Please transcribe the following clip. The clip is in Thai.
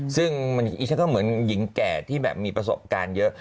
ซึ่งดิฉันก็เหมือนหญิงแก่ที่แบบมีประสบการณ์เยอะ